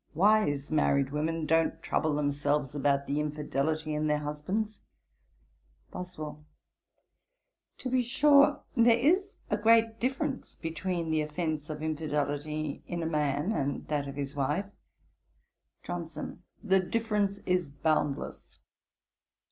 Wise married women don't trouble themselves about the infidelity in their husbands.' BOSWELL. 'To be sure there is a great difference between the offence of infidelity in a man and that of his wife.' JOHNSON. 'The difference is boundless.